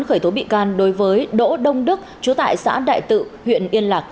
khởi tố bị can đối với đỗ đông đức chú tại xã đại tự huyện yên lạc